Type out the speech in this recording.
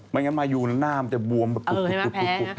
ไม่งั้นมายุนามันจะบวมแบบกุกกุกแพ้